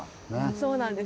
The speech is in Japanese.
そうなんです。